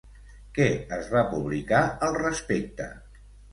Què es va publicar al respecte?